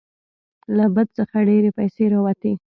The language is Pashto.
له بت څخه ډیرې پیسې راوتې.